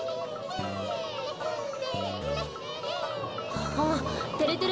ははあてれてれ